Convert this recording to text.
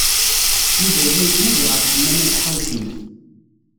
Yuba yella yettnadi ɣef Ḥemmama Taḥawcint.